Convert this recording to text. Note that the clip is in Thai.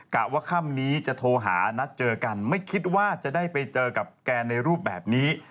ะว่าค่ำนี้จะโทรหานัดเจอกันไม่คิดว่าจะได้ไปเจอกับแกในรูปแบบนี้